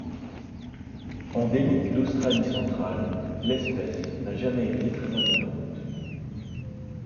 Endémique d'Australie centrale, l'espèce n'a jamais été très abondante.